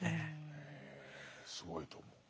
すごいと思う。